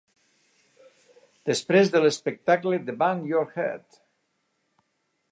Desprès de l'espectacle de Bang Your Head!!!